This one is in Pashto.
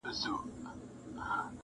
• حقيقت له کيسې نه لوی دی..